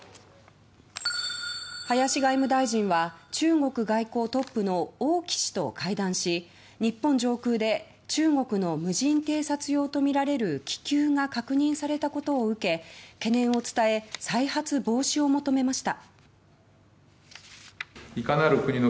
林外務大臣は中国外交トップの王毅氏と会談し日本上空で中国の無人偵察用とみられる気球が確認されたことを受け懸念を伝え再発防止を求めました。